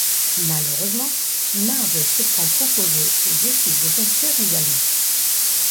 Malheureusement, Marge se prend trop au jeu et décide de s'inscrire également.